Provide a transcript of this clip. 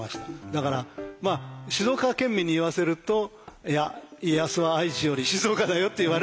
だから静岡県民に言わせると「いや家康は愛知より静岡だよ」って言われるんだけど。